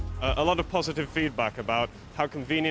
เขาจะทักท้ายกับคอฟฟี่